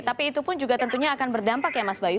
tapi itu pun juga tentunya akan berdampak ya mas bayu